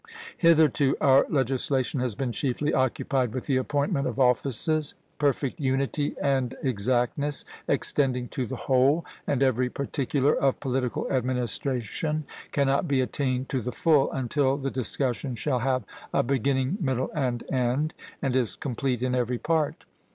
Hitherto our legislation has been chiefly occupied with the appointment of offices. Perfect unity and exactness, extending to the whole and every particular of political administration, cannot be attained to the full, until the discussion shall have a beginning, middle, and end, and is complete in every part.